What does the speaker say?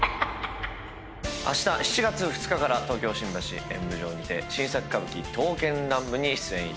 あした７月２日から東京・新橋演舞場にて新作歌舞伎「刀剣乱舞」に出演いたします